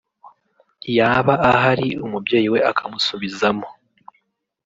yaba ahari umubyeyi we akamusubizamo